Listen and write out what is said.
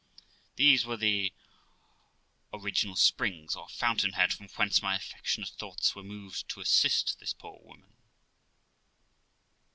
These were the original springs, or fountain head, from whence my affectionate thoughts were moved to assist this poor woman.